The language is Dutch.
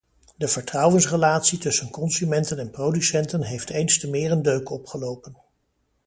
De vertrouwensrelatie tussen consumenten en producenten heeft eens te meer een deuk opgelopen.